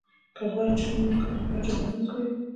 که غواړی چې ستونزې مو کمې شي په هر چا باور مه کوئ.